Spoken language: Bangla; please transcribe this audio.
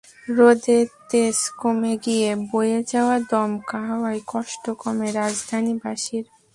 রোদের তেজ কমে গিয়ে বয়ে যাওয়া দমকা হাওয়ায় কষ্ট কমে রাজধানীবাসীর।